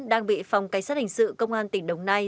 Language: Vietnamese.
đang bị phòng cảnh sát hình sự công an tỉnh đồng nai